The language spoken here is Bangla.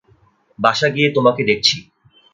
বাসা গিয়ে তোমাকে দেখছি।